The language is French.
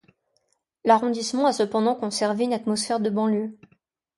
L'arrondissement a cependant conservé une atmosphère de banlieue.